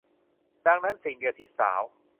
ดังนั้นสิ่งเดียวที่สาว